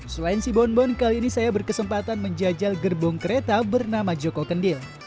selain sibonbon kali ini saya berkesempatan menjajal gerbong kereta bernama joko kendil